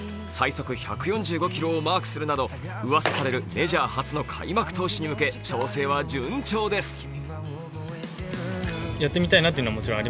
最速１４５キロをマークするなどうわさされるメジャー初の開幕投手に向け調整は順調です。